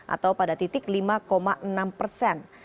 atau pada titik lima enam persen